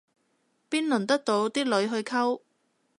邊輪得到啲女去溝